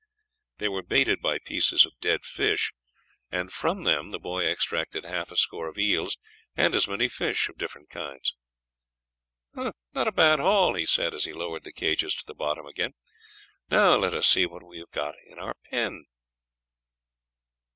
They were baited by pieces of dead fish, and from them the boy extracted half a score of eels and as many fish of different kinds. "Not a bad haul," he said as he lowered the cages to the bottom again. "Now let us see what we have got in our pen."